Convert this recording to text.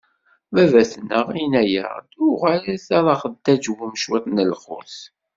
Baba-tneɣ, inna-yaɣ-d: Uɣalet ad ɣ-d-taǧwem cwiṭ n lqut.